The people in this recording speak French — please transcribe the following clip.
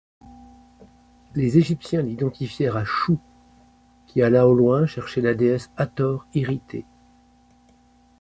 Les égyptiens l'identifièrent à Shou qui alla au loin chercher la déesse Hathor irritée.